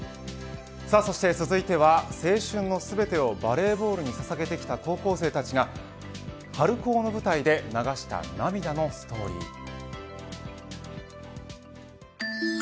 そして続いては、青春の全てをバレーボールにささげてきた高校生たちが春高の舞台で流した涙のストーリー。